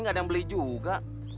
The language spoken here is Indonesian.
nggak ada yang beli juga